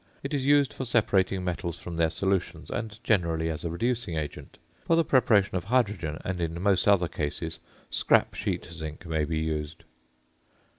It is used for separating metals from their solutions, and generally as a reducing agent. For the preparation of hydrogen, and in most other cases, scrap sheet zinc may be used.